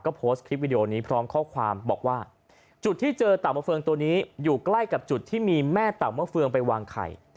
ก็โพสต์คลิปวิดีโอนี้พร้อมข้อความบอกว่าจุดที่เจอเต่ามะเฟืองตัวนี้อยู่ใกล้กับจุดที่มีแม่เต่ามะเฟืองไปวางไข่